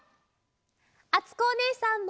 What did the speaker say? あつこおねえさんも！